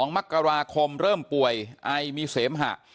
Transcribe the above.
๒มกราคมเริ่มป่วยไอมีเสมหะ